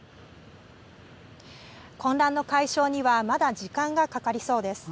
混乱の解消にはまだ時間がかかりそうです。